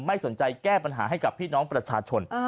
ไม่สนใจแก้ปัญหาให้กับพี่น้องประชาชน